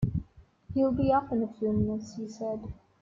“He’ll be up in a few minutes,” he said.